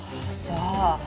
さあ。